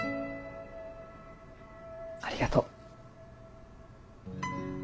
ありがとう。